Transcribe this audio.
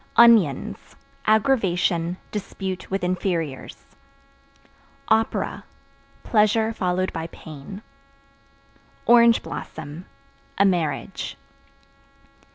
Onions Aggravation, dispute with inferiors. Opera Pleasure followed by pain. Orange Blossom A marriage.